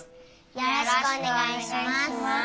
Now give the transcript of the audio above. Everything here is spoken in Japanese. よろしくお願いします。